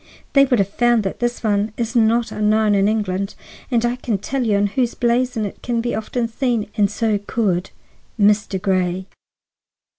They would have found that this one is not unknown in England. I can tell you on whose blazon it can often be seen, and so could—Mr. Grey."